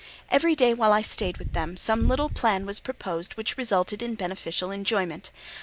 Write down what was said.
Every day while I stayed with them, some little plan was proposed which resulted in beneficial enjoyment.